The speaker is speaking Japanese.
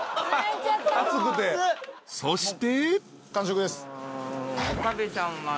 ［そして］